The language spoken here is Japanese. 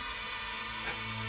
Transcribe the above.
えっ？